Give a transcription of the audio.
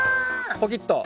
ポキッと。